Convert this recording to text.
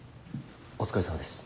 お疲れさまです。